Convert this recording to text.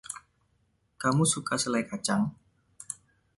Kamu suka selai kacang?